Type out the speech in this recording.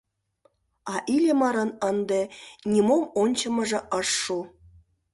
А Иллимарын ынде нимом ончымыжо ыш шу.